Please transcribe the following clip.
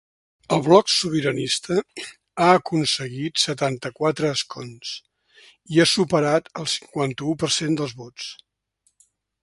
El bloc sobiranista ha aconseguit setanta-quatre escons i ha superat el cinquanta-u per cent dels vots.